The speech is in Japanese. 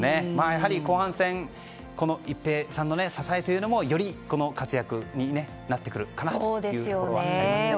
やはり後半戦一平さんの支えというのもよりこの活躍になってくるかなというところはありますよね。